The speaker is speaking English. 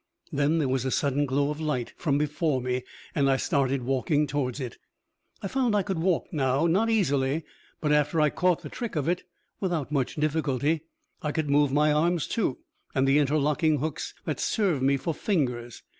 Then there was a sudden glow of light from before me, and I started walking towards it. I found I could walk now; not easily, but, after I caught the trick of it, without much difficulty. I could move my arms, too, and the interlocking hooks that served me for fingers.